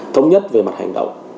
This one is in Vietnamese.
thống nhất về mặt hành động